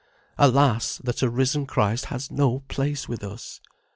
Alas, that a risen Christ has no place with us!